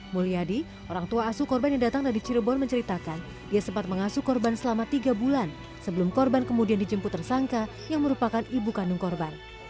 mulyadi orang tua asuh korban yang datang dari cirebon menceritakan dia sempat mengasuh korban selama tiga bulan sebelum korban kemudian dijemput tersangka yang merupakan ibu kandung korban